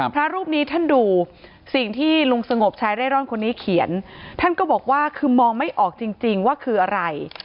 พระรูปนี้ท่านดูสิ่งที่ลุงสงบชายเร่ร่อนคนนี้เขียนท่านก็บอกว่าคือมองไม่ออกจริงว่าคืออะไร